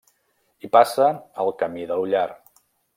Hi passa el Camí de l'Ullar.